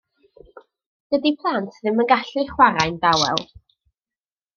Dydi plant ddim yn gallu chwarae'n dawel.